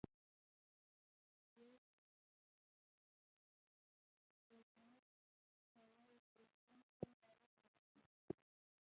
جیورج برنارد شاو وایي دروغجن خپل باور له لاسه ورکوي.